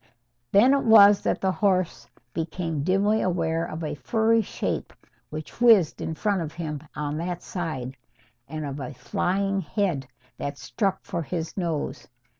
Then it was that the horse became dimly aware of a furry shape which whizzed in front of him on that side, and of a flying head that struck for his nose.